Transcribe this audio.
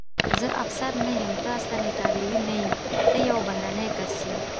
زه افسر نه یم، ته اصلاً ایټالوی نه یې، ته یو بهرنی کس یې.